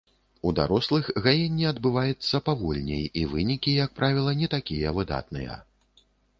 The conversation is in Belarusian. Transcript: У дарослых гаенне адбываецца павольней, і вынікі, як правіла, не такія выдатныя.